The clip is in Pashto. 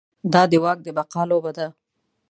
دا د واک د بقا لوبه ده.